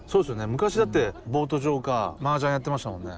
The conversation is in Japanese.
昔だってボート場かマージャンやってましたもんね。